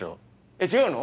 えっ違うの？